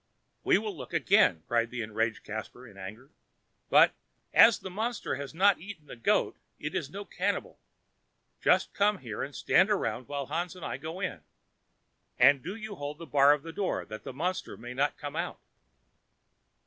"We will look again," cried the enraged Caspar, in anger; "but, as the monster has not eaten the goat, it is no cannibal. Just come here, and stand around while Hans and I go in; and do you hold the bar of the door, that the monster may not come out."